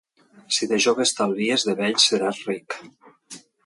Si de jove estalvies, de vell seràs ric.